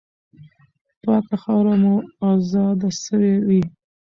پاکه خاوره به مو آزاده سوې وي.